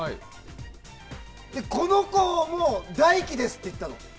この子も「ダイキです」って言ったの。